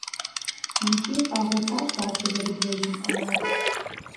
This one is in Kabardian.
ИкӀи къагъуэтащ ар къызэрыблэжьын Ӏэмал.